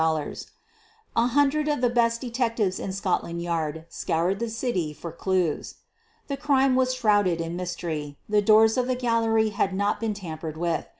A hundred of the best de tectives in Scotland Yard scoured the city for clews. The crime was shrouded in mystery. The doors of the gallery had not been tampered with.